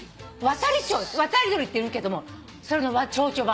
渡り鳥っているけどもそれのチョウチョ版。